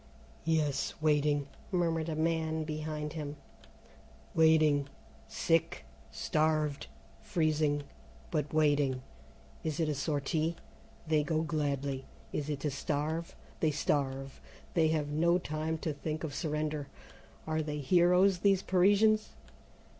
"Yes, waiting," murmured a man behind him, "waiting, sick, starved, freezing, but waiting. Is it a sortie? They go gladly. Is it to starve? They starve. They have no time to think of surrender. Are they heroes, these Parisians?